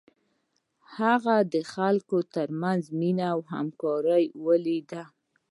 هغه د خلکو تر منځ مینه او همکاري ولیده.